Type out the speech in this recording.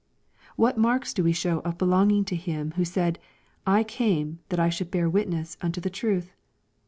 What marks do we show of belonging to Him who said, " 1 came that I should bear witness unto the truth